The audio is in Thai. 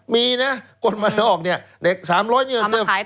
มีนะกดมานอกเนี่ย๓๐๐เงินเติบ